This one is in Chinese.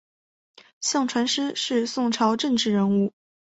向传师是宋朝政治人物。